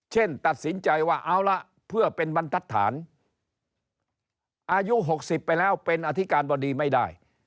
ตัดสินใจว่าเอาละเพื่อเป็นบรรทัศนอายุ๖๐ไปแล้วเป็นอธิการบดีไม่ได้